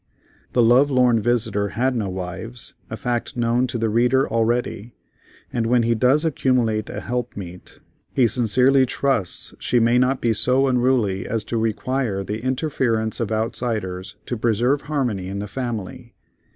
The love lorn visitor had no wives, a fact known to the reader already, and when he does accumulate a help meet, he sincerely trusts she may not be so unruly as to require the interference of outsiders to preserve harmony in the family.